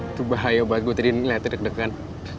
itu bahaya banget gue tadi liatnya deg degan